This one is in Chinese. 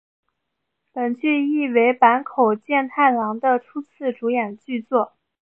本剧亦为坂口健太郎的初次主演剧作。